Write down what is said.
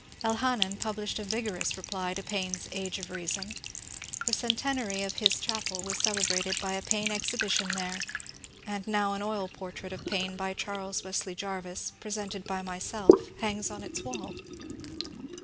Elhanan published a vigorous reply to Paine's *^ Age of Sea son." The centenary of his chapel was celebrated by a Paine Exhibition there, and now an oil portrait of Paine by Charles Wesley Jarvis, presented by myself, hangs on its wall.